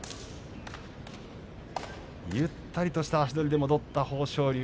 ゆったりとした足取りで戻った豊昇龍。